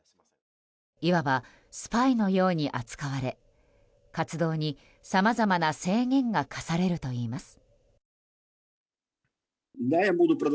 いわばスパイのように扱われ活動に、さまざまな制限が課されるといいます。